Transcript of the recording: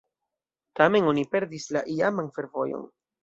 Tamen oni perdis la iaman fervojon.